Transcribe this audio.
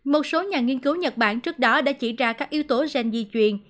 một số nhà nghiên cứu nhật bản trước đó đã chỉ ra các yếu tố gen di truyền